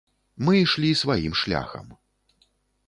Мы ішлі сваім шляхам.